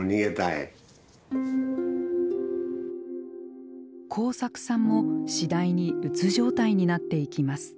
耕作さんも次第にうつ状態になっていきます。